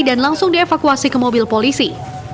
dan langsung dievakuasi ke mobil polisi